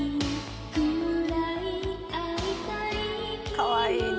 かわいいね。